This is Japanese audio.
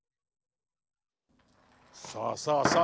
さあさあさあ